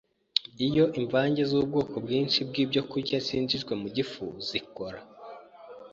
Iyo imvange z’ubwoko bwinshi bw’ibyokurya zinjijwe mu gifu zikora